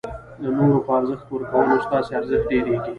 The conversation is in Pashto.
د نورو په ارزښت ورکولو ستاسي ارزښت ډېرېږي.